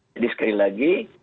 jadi sekali lagi